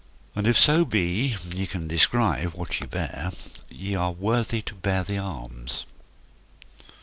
And if so be ye can descrive what ye bear, ye are worthy to bear the arms.